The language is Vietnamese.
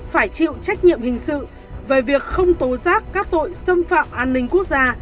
phải chịu trách nhiệm hình sự về việc không tố giác các tội xâm phạm an ninh quốc gia